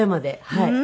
はい。